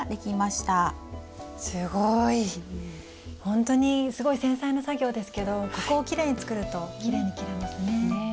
ほんとにすごい繊細な作業ですけどここをきれいに作るときれいに着れますね。